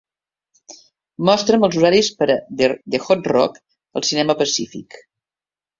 Mostra'm els horaris per a The Hot Rock al cinema Pacífic